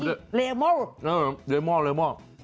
เลมอน